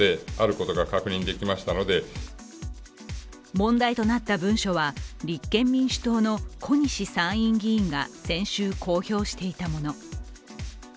問題となった文書は立憲民主党の小西参院議員が先週公表していたもの。